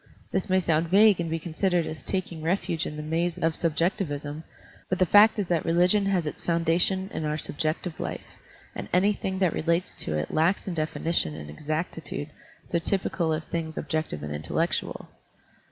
This may sound vague and be considered as taking refuge in the maze of subjectivism; but the fact is that religion has its foundation in our subjective life, and anything that relates to it lacks in definition and exactitude so typical of things objective and intellectual.